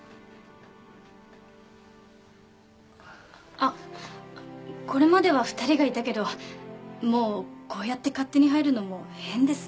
あっこれまでは２人がいたけどもうこうやって勝手に入るのも変ですね。